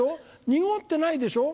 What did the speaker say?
濁ってないでしょ？